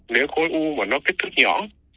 nếu cái khối u mà nó kích thước nhỏ